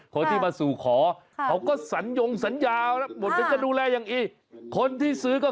พี่ขวายไปอ่ะ